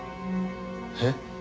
えっ？